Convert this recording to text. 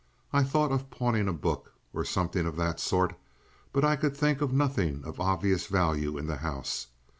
I thought of pawning a book or something of that sort, but I could think of nothing of obvious value in the house.